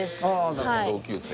なるほど同級生